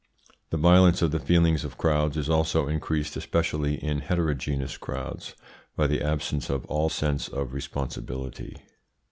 The violence of the feelings of crowds is also increased, especially in heterogeneous crowds, by the absence of all sense of responsibility.